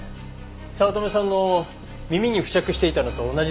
早乙女さんの耳に付着していたのと同じ製品でした。